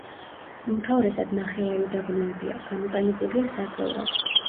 უმთავრესად ნახევარუდაბნოებია, გამოყენებულია საძოვრად.